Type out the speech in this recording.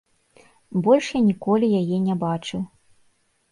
Больш я ніколі яе не бачыў.